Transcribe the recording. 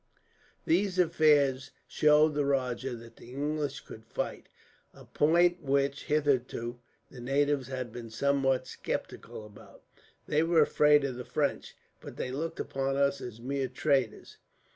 "These affairs showed the rajah that the English could fight; a point which, hitherto, the natives had been somewhat sceptical about. They were afraid of the French, but they looked upon us as mere traders.